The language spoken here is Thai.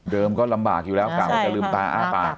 ก็ลำบากอยู่แล้วกะว่าจะลืมตาอ้าปาก